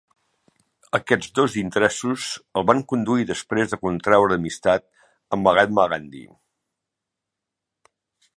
Aquests dos interessos el van conduir després a contreure amistat amb Mahatma Gandhi.